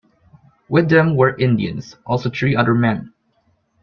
With them were Indians, also three other men.